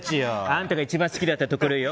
あんたが一番好きだったところよ。